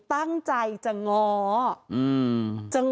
พระคุณที่อยู่ในห้องการรับผู้หญิง